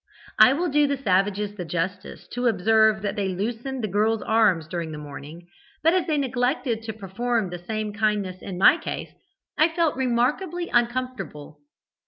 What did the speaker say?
I will do the savages the justice to observe that they loosened the girl's arms during the morning, but as they neglected to perform the same kindness in my case, I felt remarkably uncomfortable.